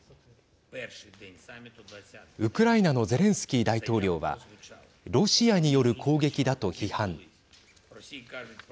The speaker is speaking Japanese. ウクライナのゼレンスキー大統領はロシアによる攻撃だと批判。